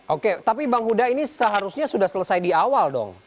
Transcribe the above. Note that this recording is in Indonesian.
oke tapi bang huda ini seharusnya sudah selesai di awal dong